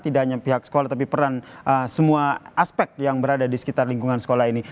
tidak hanya pihak sekolah tapi peran semua aspek yang berada di sekitar lingkungan sekolah ini